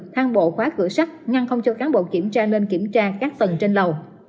thang bộ khóa cửa sắt ngăn không cho cán bộ kiểm tra lên kiểm tra các tầng trên lầu